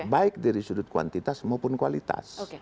baik dari sudut kuantitas maupun kualitas